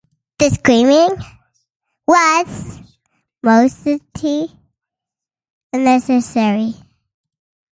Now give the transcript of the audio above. The screaming was most certainty unnecessary.